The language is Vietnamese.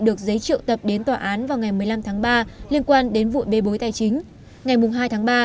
được giấy triệu tập đến tòa án vào ngày một mươi năm tháng ba liên quan đến vụ bê bối tài chính ngày hai tháng ba